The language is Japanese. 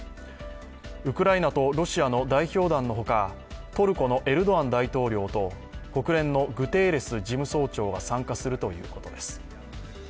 ウクライナとロシアの代表団のほかトルコのエルドアン大統領と国連のグテーレス事務総長が参加するということです。